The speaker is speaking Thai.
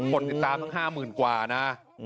คนติดตามทั้ง๕หมื่นกว่านะ